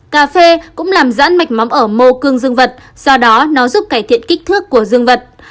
cà phê cũng làm giãn mạch mắm ở mô cương dương vật do đó nó giúp cải thiện kích thước của dương vật